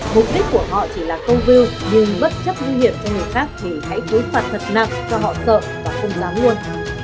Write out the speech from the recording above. mục đích của họ chỉ là câu view nhưng bất chấp nguy hiểm cho người khác thì hãy cố gắng thật nặng cho họ sợ và không dám buồn